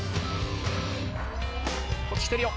こっち来てるよ。